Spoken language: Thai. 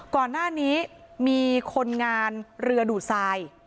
ก่อนหน้านี้มีคนงานเรือดูดทราย